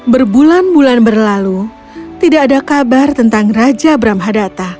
berbulan bulan berlalu tidak ada kabar tentang raja brahmadata